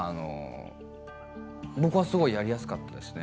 僕はすごいやりやすかったですね。